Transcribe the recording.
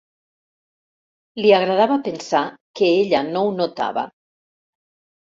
Li agradava pensar que ella no ho notava.